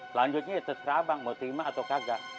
selanjutnya ya terserah bang mau terima atau kagak